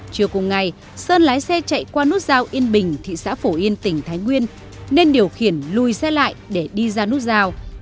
chiều cùng ngày sơn lái xe chạy qua nút giao yên bình thị xã phổ yên tỉnh thái nguyên nên điều khiển lùi xe lại để đi ra nút giao